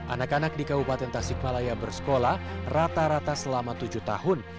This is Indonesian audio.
anak anak di kabupaten tasikmalaya bersekolah rata rata selama tujuh tahun